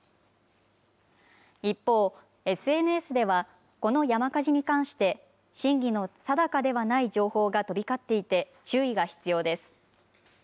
一方、ＳＮＳでは、この山火事に関して、真偽の定かではない情報が飛び交っていて、注意が必要です。